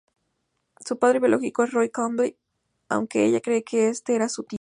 Su padre biológico es Roy Campbell, aunque ella cree que este es su tío.